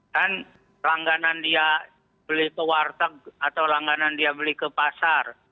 kan langganan dia beli ke warteg atau langganan dia beli ke pasar